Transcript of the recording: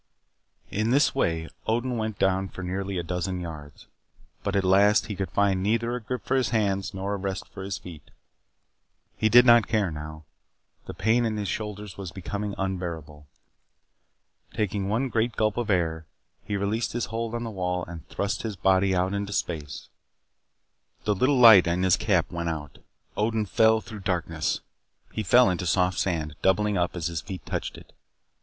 In this way, Odin went down for nearly a dozen yards. But at last he could find neither a grip for his hands nor a rest for his feet. He did not care now. The pain in his shoulders was becoming unbearable. Taking one great gulp of air, he released his hold on the wall and thrust his body out into space. The little light in his cap went out. Odin fell through darkness. He fell into soft sand, doubling up as his feet touched it.